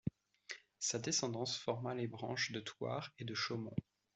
Sa descendance forma les branches de Thouars et de Chaumont.